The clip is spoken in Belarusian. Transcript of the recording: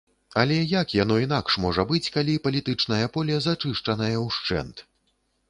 Але як яно інакш можа быць, калі палітычнае поле зачышчанае ўшчэнт?